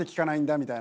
みたいな。